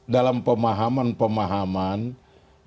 dalam pemahaman pemahaman keilmuan